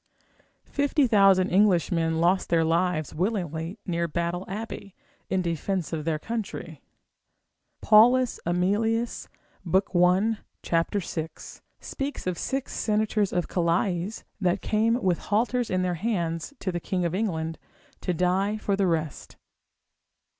Fifty thousand Englishmen lost their lives willingly near Battle Abbey, in defence of their country. P. Aemilius l. 6. speaks of six senators of Calais, that came with halters in their hands to the king of England, to die for the rest.